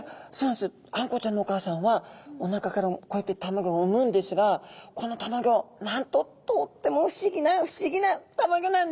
あんこうちゃんのお母さんはおなかからこうやってたまギョをうむんですがこのたまギョなんととっても不思議な不思議なたまギョなんです。